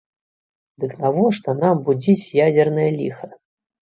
Дык навошта нам будзіць ядзернае ліха?